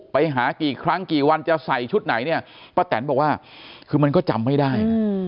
ไปหากี่ครั้งกี่วันจะใส่ชุดไหนเนี่ยป้าแตนบอกว่าคือมันก็จำไม่ได้นะ